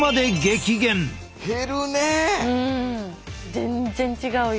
全然違うよ